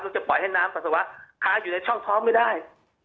จะปล่อยให้น้ำปัสสาวะค้าอยู่ในช่องท้องไม่ได้